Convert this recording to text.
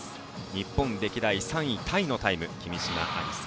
日本歴代３位タイのタイム君嶋愛梨沙。